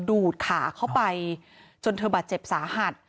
ดูดขาเข้าไปจนเธอบาดเจ็บสาหัส